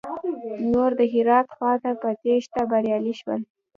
نور د هرات خواته په تېښته بريالي شول.